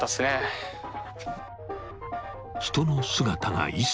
［人の姿が一切ない］